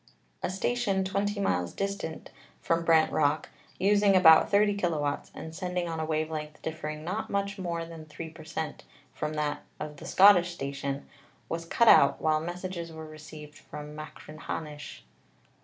A station twenty miles distant from Brant Rock, using about 30 kw., and send ing on a wave length differing not much more than 3 per cent, from that of the Scottish station, was cut out while messages were received from Machrihanish."